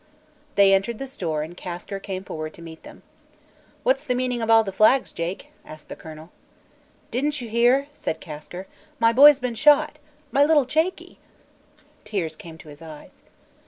They entered the store and Kasker came forward to meet them. "What's the meaning of all the flags, Jake?" asked the colonel. "Didn't you hear?" said Kasker. "My boy's been shot my little Jakie!" Tears came to his eyes.